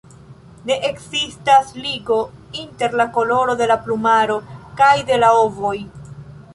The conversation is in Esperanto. Ne ekzistas ligo inter la koloro de la plumaro kaj de la ovoj.